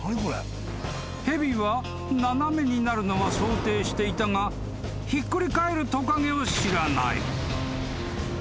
［蛇は斜めになるのは想定していたがひっくり返るトカゲを知らない］